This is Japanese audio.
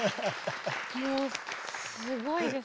もうすごいです。